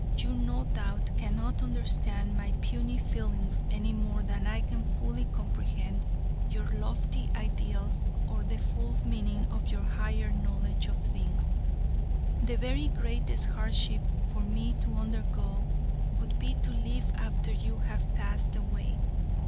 You no doubt, cannot understand my puny feelings any more than I can fully comprehend your lofty ideals or the full meaning of your higher knowledge of things. The very greatest hardship for me to undergo would be to live after you have passed away.